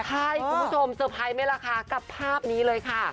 ใช่คุณผู้ชมเซอร์ไพรส์ไหมล่ะคะกับภาพนี้เลยค่ะ